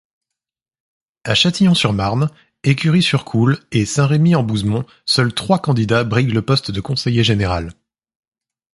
À Châtillon-sur-Marne, Écury-sur-Coole et Saint-Remy-en-Bouzemont seuls trois candidats briguent le poste de conseiller général.